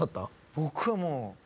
僕はもう。